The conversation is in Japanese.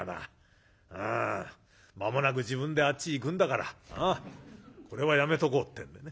うん間もなく自分であっち行くんだからこれはやめとこう」ってんでね。